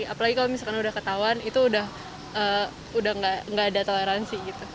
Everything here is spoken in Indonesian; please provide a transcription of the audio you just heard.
apalagi kalau misalkan udah ketahuan itu udah gak ada toleransi gitu